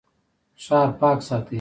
ښار پاک ساتئ